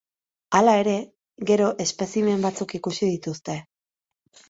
Hala ere, gero, espezimen batzuk ikusi dituzte.